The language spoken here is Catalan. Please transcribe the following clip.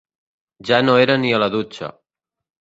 Jo no era ni a la dutxa.